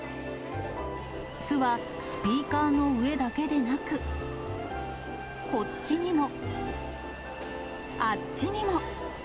巣はスピーカーの上だけでなく、こっちにも、あっちにも。